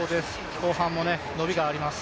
後半も伸びがあります。